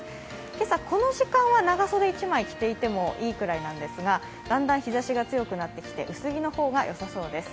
今朝、この時間は長袖一枚着ていてもいいくらいなんですがだんだん日ざしが強くなってきて薄着の方がよさそうです。